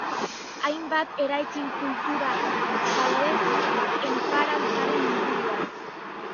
Hainbat eraikin kultural daude enparantzaren inguruan.